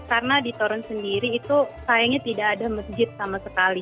karena di torun sendiri itu sayangnya tidak ada masjid sama sekali